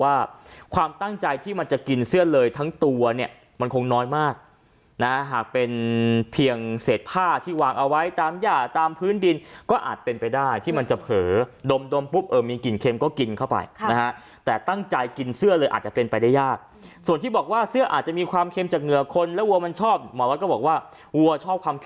ว่าความตั้งใจที่มันจะกินเสื้อเลยทั้งตัวเนี่ยมันคงน้อยมากนะฮะหากเป็นเพียงเศษผ้าที่วางเอาไว้ตามย่าตามพื้นดินก็อาจเป็นไปได้ที่มันจะเผลอดมดมปุ๊บเออมีกลิ่นเค็มก็กินเข้าไปนะฮะแต่ตั้งใจกินเสื้อเลยอาจจะเป็นไปได้ยากส่วนที่บอกว่าเสื้ออาจจะมีความเค็มจากเหงื่อคนแล้ววัวมันชอบหมอน้อยก็บอกว่าวัวชอบความเข